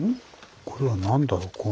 これは何だろうこの。